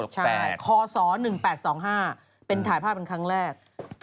ใช่คศ๑๘๒๕เป็นถ่ายภาพเป็นครั้งแรก